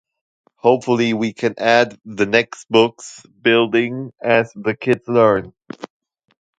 Hopefully we can add the next books, building as the kids learn.